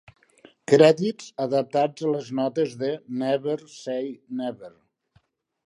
Crèdits adaptats a les notes de "Never say Never".